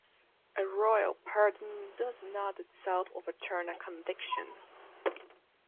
A royal pardon does not itself overturn a conviction.